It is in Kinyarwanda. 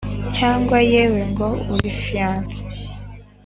cyangwa yewe ngo uri fiance,